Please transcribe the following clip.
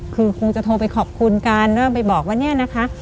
คือคงจะโทรไปขอบคุณกันไปบอกว่า